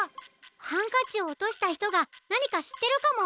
ハンカチをおとしたひとがなにかしってるかも。